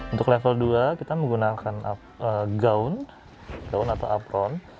untuk level dua kita menggunakan gaun daun atau apron